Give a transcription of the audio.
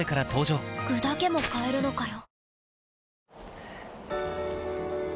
具だけも買えるのかよ